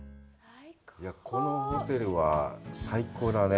このホテルは、最高だね。